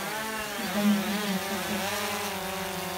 Die Frau macht mich ganz perplex.